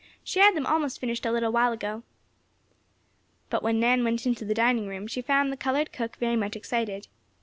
"She had them almost finished a little while ago." But when Nan went to the dining room, she found the colored cook very much excited.